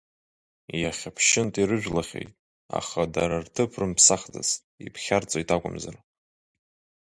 Иахьа ԥшьынтә ирыжәлахьеит, аха дара рҭыԥ рымԥсахӡацт, иԥхьарцоит акәымзар.